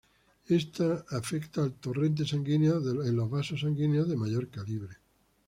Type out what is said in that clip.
Esta afecta el torrente sanguíneo en los vasos sanguíneos de mayor calibre.